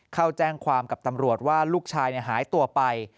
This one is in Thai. เข้าแจ้งความกับตำรวจว่าลูกชายหายตัวไป